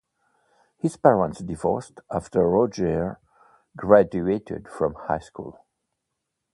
His parents divorced after Roger graduated from high school.